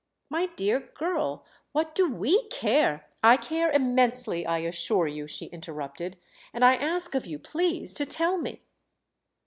"My dear girl, what do we care—?" "I care immensely, I assure you," she interrupted, "and I ask of you, please, to tell me!"